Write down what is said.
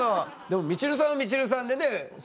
でもみちるさんはみちるさんでね。